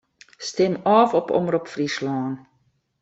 Stim ôf op Omrop Fryslân.